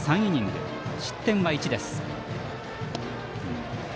失点は１です。